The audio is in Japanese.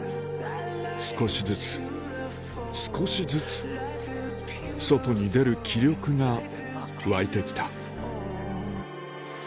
少しずつ、少しずつ、外に出る気力が湧いてきた。